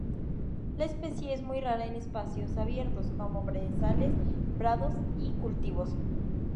La especie es muy rara en espacios abiertos, como brezales, prados y cultivos.